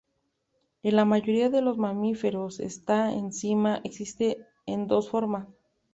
En la mayoría de los mamíferos esta enzima existe en dos formas.